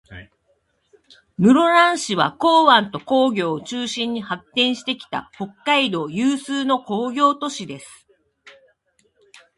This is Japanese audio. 室蘭市は、港湾と工業を中心に発展してきた、北海道有数の工業都市です。